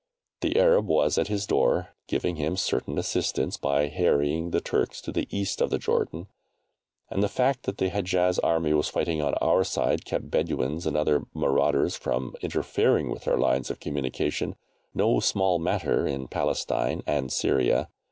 The Arab was at his door, giving him certain assistance by harrying the Turks to the East of the Jordan, and the fact that the Hedjaz Army was fighting on our side kept Bedouins and other marauders from interfering with our lines of communication no small matter in Palestine and Syria.